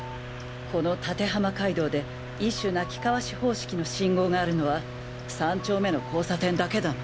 この館浜街道で異種鳴き交わし方式の信号があるのは３丁目の交差点だけだな。